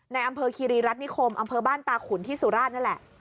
ในอำเภอคีรีรัฐนิคมอำเภอบ้านตาขุนที่สุราชนั่นแหละ